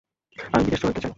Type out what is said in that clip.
আমি বিদেশ চলে যেতে চাই।